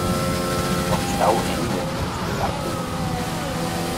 Vom Stauende natürlich abgesehen.